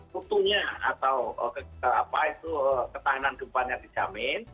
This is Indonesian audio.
kutunya atau apa itu ketahanan gempanya dijamin